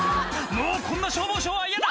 「もうこんな消防署は嫌だ！」